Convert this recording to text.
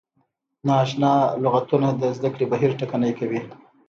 نا اشنا لغتونه د زده کړې بهیر ټکنی کوي.